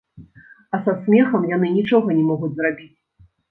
А са смехам яны нічога не могуць зрабіць.